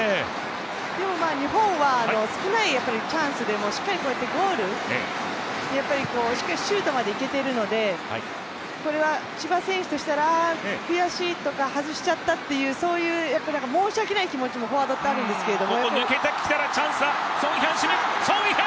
でも、日本は少ないチャンスでも、しっかりシュートまでいけているので、これは千葉選手としたら、悔しいとか外しちゃったっていう申し訳ない気持ちもフォワードはあるんですけど。